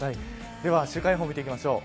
では週間予報見ていきましょう。